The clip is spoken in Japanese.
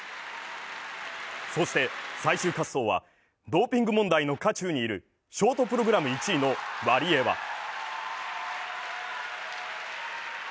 そして最終滑走はドーピング問題の渦中にいるショートプログラム１位のワリエワ。